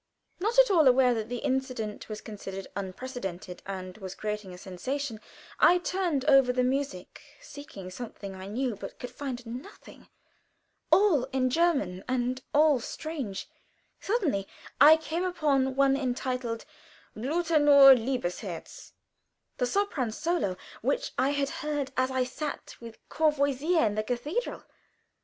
Not at all aware that the incident was considered unprecedented, and was creating a sensation, I turned over the music, seeking something I knew, but could find nothing. All in German, and all strange. Suddenly I came upon one entitled "Blute nur, liebes Herz," the sopran solo which I had heard as I sat with Courvoisier in the cathedral.